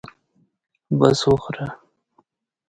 بس وخوره.